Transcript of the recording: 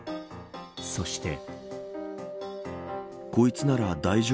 そして。